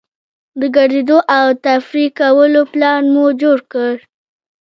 د ګرځېدو او تفریح کولو پلان مو جوړ کړ.